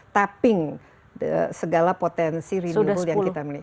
taping segala potensi renewable yang kita miliki